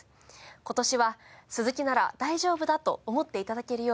今年は鈴木なら大丈夫だと思って頂けるように